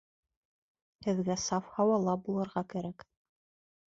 Һеҙгә саф һауала булырға кәрәк.